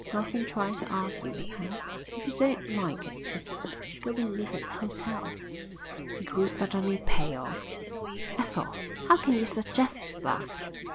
Lawson tried to argue with her. "If you don't like it," she said, "go and live at the hotel." He grew suddenly pale. "Ethel, how can you suggest that!"